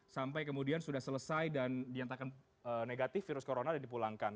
sampai kemudian sudah selesai dan diantarkan negatif virus corona dan dipulangkan